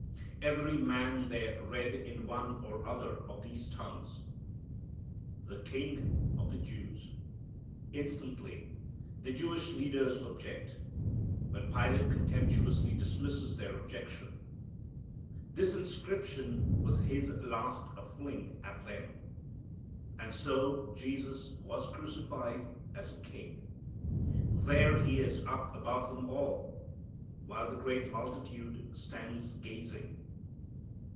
Every man there read in one or other of these tongues, "The King of the Jews." Instantly the Jewish leaders object, but Pilate contemptuously dismisses their objection. This inscription was his last fling at them. And so Jesus was crucified as a King. There He is up above them all, while the great multitude stands gazing.